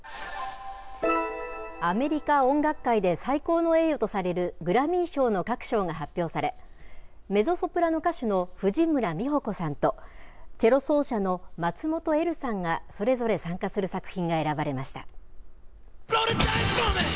アメリカ音楽界で最高の栄誉とされるグラミー賞の各賞が発表され、メゾソプラノ歌手の藤村実穂子さんと、チェロ奏者の松本エルさんがそれぞれ参加する作品が選ばれました。